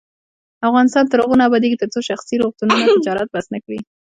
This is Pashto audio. افغانستان تر هغو نه ابادیږي، ترڅو شخصي روغتونونه تجارت بس نکړي.